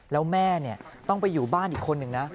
แล้วแม่ต้องไปอยู่บ้านอีกคนนึงนะ